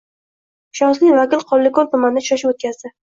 Ishonchli vakil Qonliko‘l tumanida uchrashuv o‘tkazdi